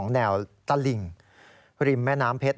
นี่แหละนี่แหละนี่แหละนี่แหละนี่แหละ